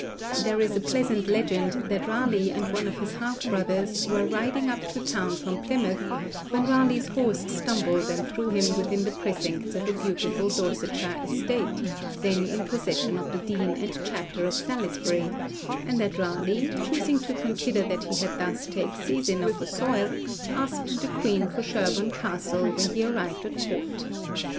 There is a pleasant legend that Raleigh and one of his half brothers were riding up to town from Plymouth, when Raleigh's horse stumbled and threw him within the precincts of a beautiful Dorsetshire estate, then in possession of the Dean and Chapter of Salisbury, and that Raleigh, choosing to consider that he had thus taken seisin of the soil, asked the Queen for Sherborne Castle when he arrived at Court.